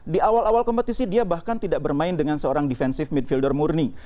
di awal awal kompetisi dia bahkan tidak bermain dengan seorang defensive midfielder murni